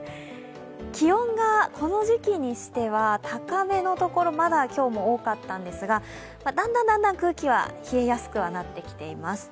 気温がこの時期にしては高めのところまだ今日も多かったんですがだんだん空気は冷えやすくはなってきています。